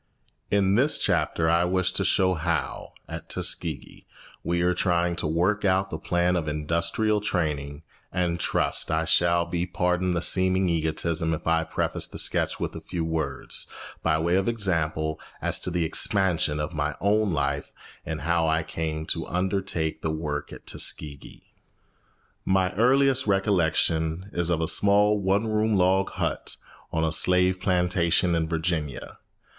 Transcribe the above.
In this chapter I wish to show how, at Tuskegee, we are trying to work out the plan of industrial training, and trust I shall be pardoned the seeming egotism if I preface the sketch with a few words, by way of example, as to the expansion of my own life and how I came to undertake the work at Tuskegee. My earliest recollection is of a small one room log hut on a slave plantation in Virginia.